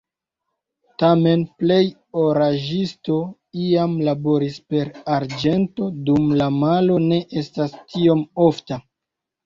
Tamen plej oraĵisto iam laboris per arĝento dum la malo ne estas tiom ofta.